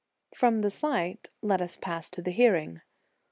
j From the sight, let us pass to the hearing.